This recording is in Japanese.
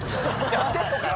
やってんのかい！